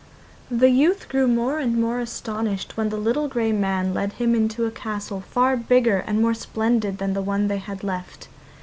The youth grew more and more astonished when the little grey man led him into a castle far bigger and more splendid than the one they had left.